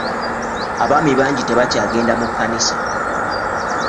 Abaami bangi tebakyagenda mu kkanisa.